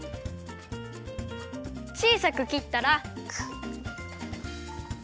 ちいさく切ったら。